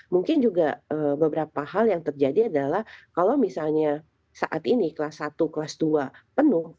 mungkin juga beberapa hal yang terjadi adalah kalau misalnya saat ini kelas satu kelas dua penuh